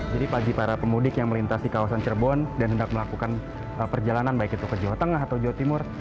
jadi pagi para pemudik yang melintasi kawasan cerbon dan hendak melakukan perjalanan baik itu ke jawa tengah atau jawa timur